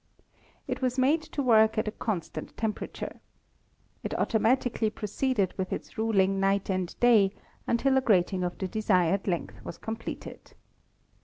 It was made to work at a constant temperature. It automatically pro ceeded with its ruling night and day until a grating of the desired length was completed.